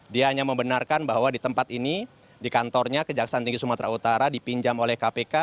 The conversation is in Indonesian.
dia hanya membenarkan bahwa di tempat ini di kantornya kejaksaan tinggi sumatera utara dipinjam oleh kpk